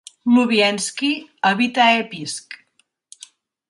Lubienski a "V"itae Episc.